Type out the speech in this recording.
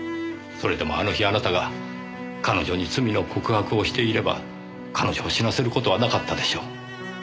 それでもあの日あなたが彼女に罪の告白をしていれば彼女を死なせる事はなかったでしょう。